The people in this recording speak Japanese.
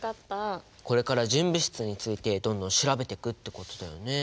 これから純物質についてどんどん調べていくってことだよね。